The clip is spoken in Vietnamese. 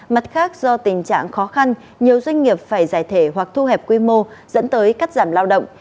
mặt khác do tình trạng khó khăn nhiều doanh nghiệp phải giải thể hoặc thu hẹp quy mô dẫn tới cắt giảm lao động